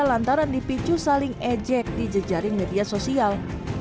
lantaran dipicu saling ejek di jejaring media sosial